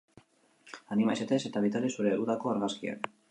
Anima zaitez eta bidali zure udako argazkiak.